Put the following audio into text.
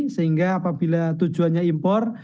sehingga apabila tujuannya impor